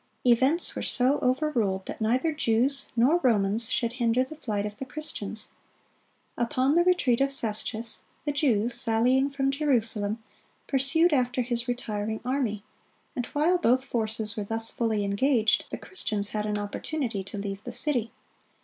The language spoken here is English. Events were so overruled that neither Jews nor Romans should hinder the flight of the Christians. Upon the retreat of Cestius, the Jews, sallying from Jerusalem, pursued after his retiring army; and while both forces were thus fully engaged, the Christians had an opportunity to leave the city.